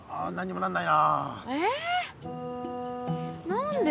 何で？